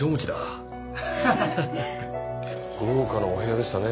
豪華なお部屋でしたね